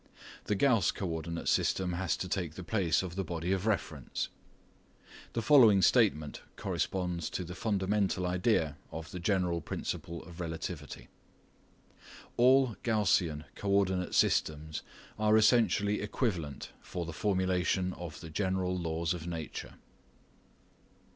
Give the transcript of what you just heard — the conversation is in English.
The Gauss co ordinate system has to take the place of the body of reference. The following statement corresponds to the fundamental idea of the general principle of relativity: "All Gaussian co ordinate systems are essentially equivalent for the formulation of the general laws of nature."